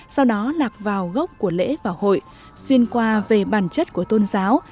sau đó lạc vào gốc của lễ và hội xuyên qua về bản chất của tôn giáo